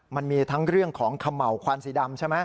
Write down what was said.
มันมีทั้งเรื่องของเขม่าวควันสีดำใช่ไหม